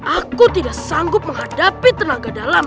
aku tidak sanggup menghadapi tenaga dalam